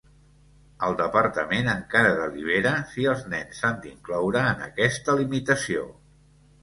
El departament encara delibera si els nens s’han d’incloure en aquesta limitació.